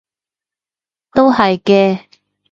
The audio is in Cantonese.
都係嘅